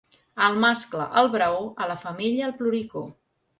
Al mascle, el braó; a la femella, el ploricó.